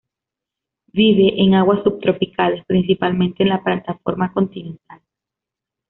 Vive en aguas subtropicales, principalmente en la plataforma continental.